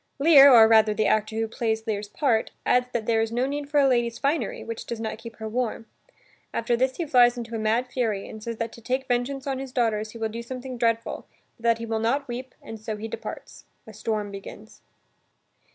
Lear, or rather the actor who plays Lear's part, adds that there is no need for a lady's finery, which does not keep her warm. After this he flies into a mad fury and says that to take vengeance on his daughters he will do something dreadful but that he will not weep, and so he departs. A storm begins.